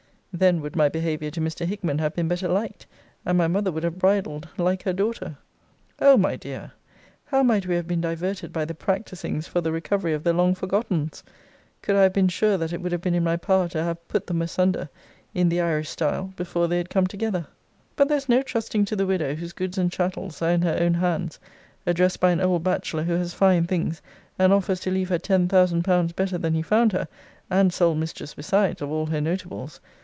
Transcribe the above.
Then would my behaviour to Mr. Hickman have been better liked; and my mother would have bridled like her daughter. O my dear, how might we have been diverted by the practisings for the recovery of the long forgottens! could I have been sure that it would have been in my power to have put them asunder, in the Irish style, before they had come together. But there's no trusting to the widow whose goods and chattels are in her own hands, addressed by an old bachelor who has fine things, and offers to leave her ten thousand pounds better than he found her, and sole mistress, besides, of all her notables!